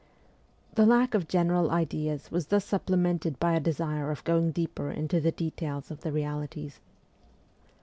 The lack of general ideas was thus supplemented by a desire of going deeper into the details of the realities.